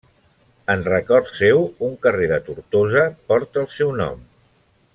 En record seu, un carrer de Tortosa porta el seu nom.